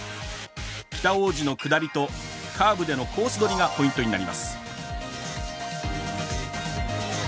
北大路の下りとカーブでのコース取りがポイントになります。